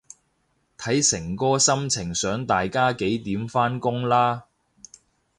睇誠哥心情想大家幾點返工啦